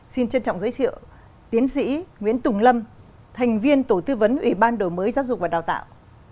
xin trân trọng giới thiệu tiến sĩ nguyễn tùng lâm thành viên tổ tư vấn ủy ban đổi mới giáo dục và đào tạo